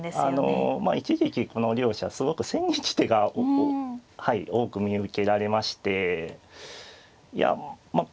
ええあのまあ一時期この両者すごく千日手が多く見受けられましていやまあ